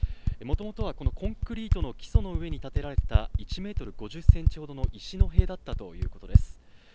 もともとはこのコンクリートの基礎の上に建てられた１メートル５０センチほどの石の塀だったということです。